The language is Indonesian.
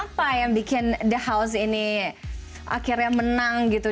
apa yang bikin the house ini akhirnya menang gitu